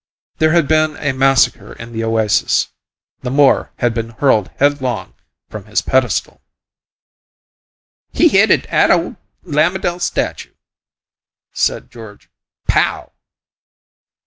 There had been a massacre in the oasis the Moor had been hurled headlong from his pedestal. "He hit 'at ole lamidal statue," said George. "POW!"